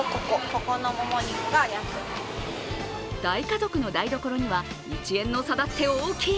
大家族の台所には１円の差だって大きい。